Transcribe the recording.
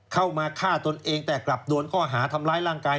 เข้ามาฆ่าตนเองแต่กลับโดนข้อหาทำร้ายร่างกาย